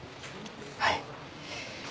はい。